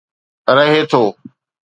رهي ٿو.